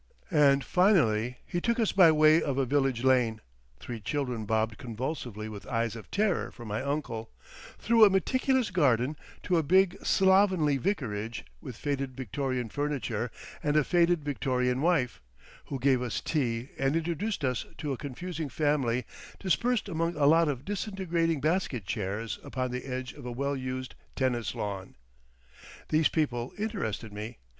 And finally he took us by way of a village lane—three children bobbed convulsively with eyes of terror for my uncle—through a meticulous garden to a big, slovenly Vicarage with faded Victorian furniture and a faded Victorian wife, who gave us tea and introduced us to a confusing family dispersed among a lot of disintegrating basket chairs upon the edge of a well used tennis lawn. These people interested me.